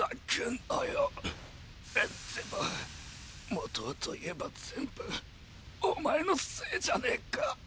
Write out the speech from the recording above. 元はといえば全部おまえのせいじゃねか。